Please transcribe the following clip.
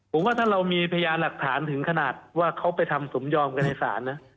ผมว่าถ้าเรามีพยานหลักฐานถึงขนาดว่าเขาไปทำสมยอมกันในศาลนะ